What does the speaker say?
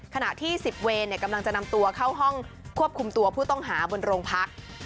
ขณะที่๑๐เวรกำลังจะนำตัวเข้าห้องควบคุมตัวผู้ต้องหาบนโรงพัก